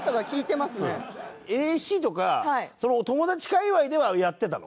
ＮＳＣとかその友達界隈ではやってたの？